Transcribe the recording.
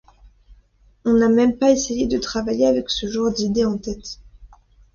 On n’a même pas essayé de travailler avec ce genre d'idée en tête.